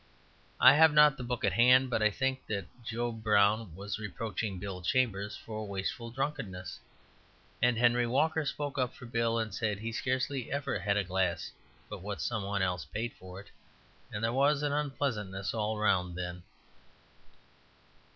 I have not the book at hand, but I think that Job Brown was reproaching Bill Chambers for wasteful drunkenness, and Henery Walker spoke up for Bill, and said he scarcely ever had a glass but what somebody else paid for it, and there was "unpleasantness all round then."